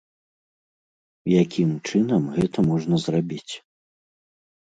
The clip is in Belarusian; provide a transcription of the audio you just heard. Якім чынам гэта можна зрабіць?